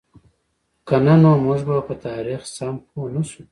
که نه نو موږ به په تاریخ سم پوهـ نهشو.